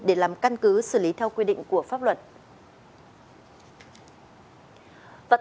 để làm căn cứ xử lý theo quy định của pháp luật